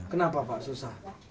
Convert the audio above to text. kenapa pak susah